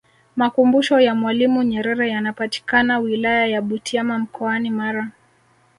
makumbusho ya mwalimu nyerere yanapatika wilaya ya butiama mkoani mara